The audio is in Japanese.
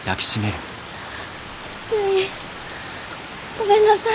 ごめんなさい。